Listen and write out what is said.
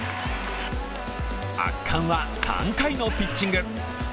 圧巻は３回のピッチング。